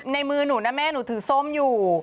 ในมือหนูนะแม่หนูถือส้มอยู่